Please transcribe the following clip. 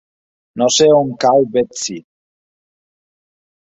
No sé on cau Betxí.